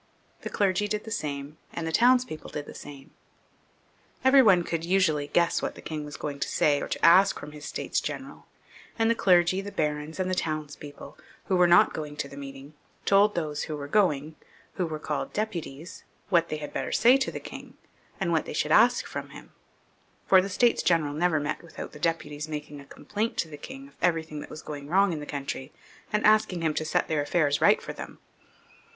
The clergy did the same, and the townspeople the same. Every one could usually guess what the king was going to say, or to ask from his States General, and the clergy, 1 1 xxiiij PHILIP V. {LE^ONG), 145 the barons, and the townspeople, who were not going to the meeting, told those who were going, who were called deputies, what they had better say to the king, and what they should ask from him ; for the States General never met without the deputies making a complaint to the king of everything that waa going wrong in the country, and asking him to set their affairs right for them.